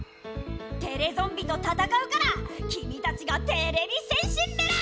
テレゾンビとたたかうからきみたちがてれび戦士メラ！